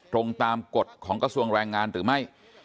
ตรงตามกฎของกระทรวงแรงงานหรือไม่